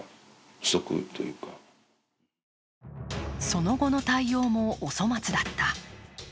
その後の対応もお粗末だった。